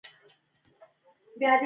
یو ستر بدلون ته یې لار هواره کړه.